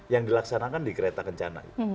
yang dilaksanakan di kereta kencana